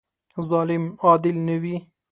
ظالم عادل نه وي.